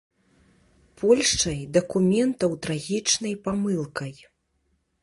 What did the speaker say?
Польшчай дакументаў трагічнай памылкай.